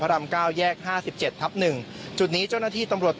รามเก้าแยกห้าสิบเจ็ดทับหนึ่งจุดนี้เจ้าหน้าที่ตำรวจ